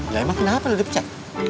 gak emang kenapa lu dipecat